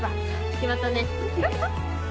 決まったね。